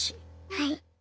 はい。